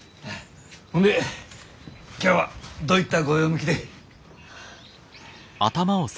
ほんで今日はどういったご用向きで？